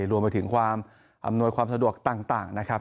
รวมไปถึงความอำนวยความสะดวกต่างนะครับ